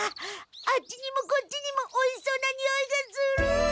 あっちにもこっちにもおいしそうなにおいがする！